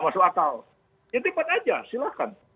masuk akal ya tepat aja silahkan